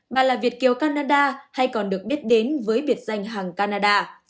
bà là việt kiều canada hay còn được biết đến với biệt danh hàng canada